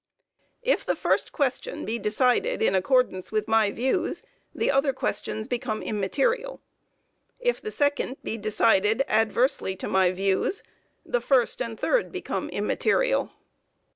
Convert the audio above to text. If the first question be decided in accordance with my views, the other questions become immaterial; if the second be decided adversely to my views, the first and third become immaterial.